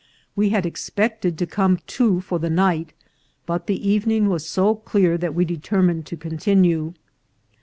We had expected to come to for the night, but the evening was so clear that we determined to continue.